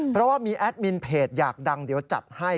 เพราะว่ามีแอดมินเพจอยากดังเดี๋ยวจัดให้